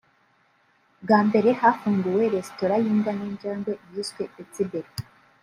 bwa mbere hafunguwe resitora y’imbwa n’injangwe yiswe Pets Deli